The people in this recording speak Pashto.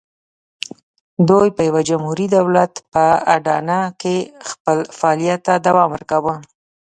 دوی په یوه جمهوري دولت په اډانه کې خپل فعالیت ته دوام ورکاوه.